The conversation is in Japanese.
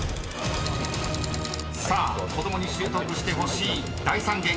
［さあ子供に習得してほしい第三言語］